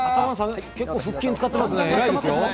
結構、腹筋を使っていますね、いい。